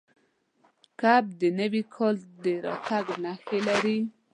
کب د نوي کال د راتګ نښې لري.